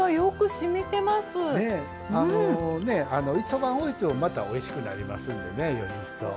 あのねえ一晩おいてもまたおいしくなりますんでねより一層。